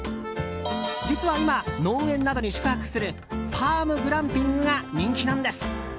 実は今、農園などに宿泊するファームグランピングが人気なんです。